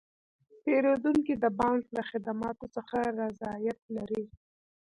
پیرودونکي د بانک له خدماتو څخه رضایت لري.